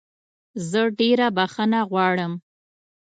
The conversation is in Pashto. زه ډېره بخښنه غواړم.